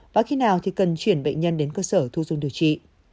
và khi nào thì cần chuyển bệnh nhân đến cơ sở thu dung điều trị